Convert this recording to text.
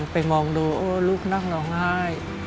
ไปมองดูลูกนั่งลองไห้